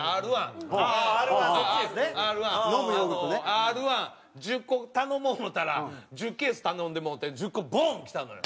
Ｒ−１１０個頼もう思ったら１０ケース頼んでもうて１０個ボーン！来たのよ